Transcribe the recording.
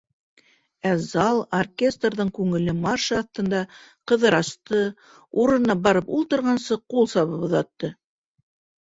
Ә зал оркестрҙың күңелле маршы аҫтында Ҡыҙырасты, урынына барып ултырғансы, ҡул сабып оҙатты.